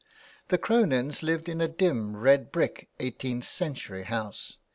The Cronins lived in a dim, red brick, eighteenth century house.